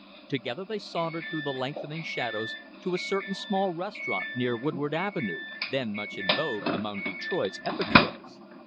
Together they sauntered through the lengthening shadows to a certain small restaurant near Woodward Avenue, then much in vogue among Detroit's epicures.